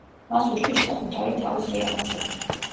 მას უჭირს საკუთარი თავის რეალიზება.